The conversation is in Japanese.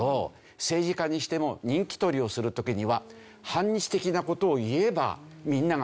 政治家にしても人気取りをする時には反日的な事を言えばみんながまとまる。